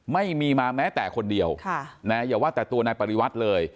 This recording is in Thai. ไม่มีมาแม้แต่คนเดียวอย่าว่าแต่ตัวนายปริวัติเลย